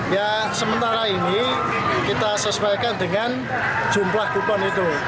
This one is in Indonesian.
ya sementara ini kita sesuaikan dengan jumlah kupon itu